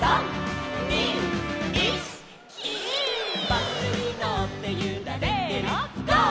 「バスにのってゆられてるゴー！